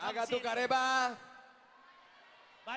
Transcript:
aga tukar rebah